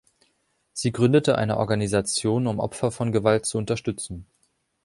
Sie gründete eine Organisation, um Opfer von Gewalt zu unterstützen.